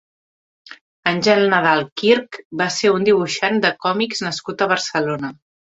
Àngel Nadal Quirch va ser un dibuixant de còmics nascut a Barcelona.